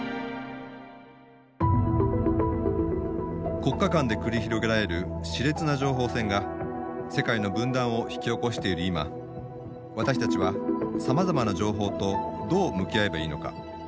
国家間で繰り広げられるしれつな情報戦が世界の分断を引き起こしている今私たちはさまざまな情報とどう向き合えばいいのか。